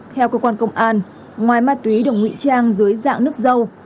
theo cơ quan công an ngoài ma túy được ngụy trang dưới dạng nước dâu